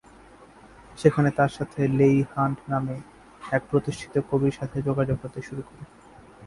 সেখানে তার সাথে লেই হান্ট নামে এক প্রতিষ্ঠিত কবির সাথে যোগাযোগ হতে শুরু করে।